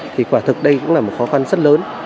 thì quả thực đây cũng là một khó khăn rất lớn